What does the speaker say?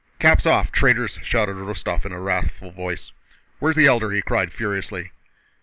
"Caps off, traitors!" shouted Rostóv in a wrathful voice. "Where's the Elder?" he cried furiously.